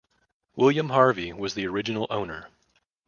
William Harvey was the original owner.